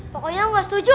pokoknya aku gak setuju